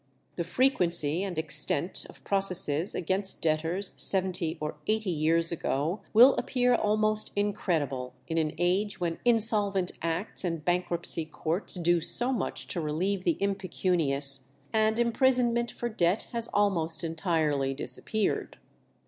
The frequency and extent of processes against debtors seventy or eighty years ago will appear almost incredible in an age when insolvent acts and bankruptcy courts do so much to relieve the impecunious, and imprisonment for debt has almost entirely disappeared.